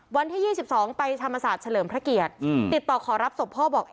วันที่๒๒ไปธรรมศาสตร์เฉลิมพระเกียรติติดต่อขอรับศพพ่อบอก